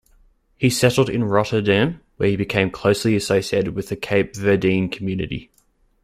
He settled in Rotterdam, where he became closely associated with the Cape Verdean community.